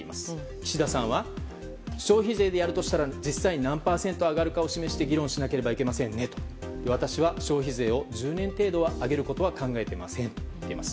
岸田さんは消費税でやるとしたら実際に何パーセント上がるかを議論しなければいけませんねと私は、消費税を１０年程度は上げることは考えていませんと言っています。